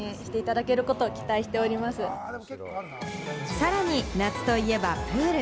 さらに夏といえばプール。